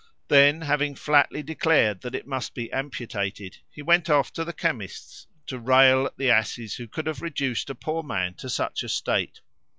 Then having flatly declared that it must be amputated, he went off to the chemist's to rail at the asses who could have reduced a poor man to such a state.